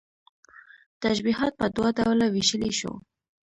تشبيهات په دوه ډوله ويشلى شو